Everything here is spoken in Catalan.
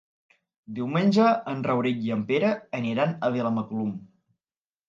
Diumenge en Rauric i en Pere aniran a Vilamacolum.